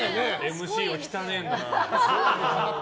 ＭＣは汚いんだな。